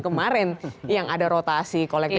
kemarin yang ada rotasi kolektif